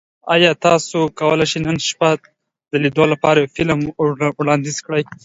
ایا تاسو کولی شئ نن شپه د لیدو لپاره یو فلم وړاندیز کړئ؟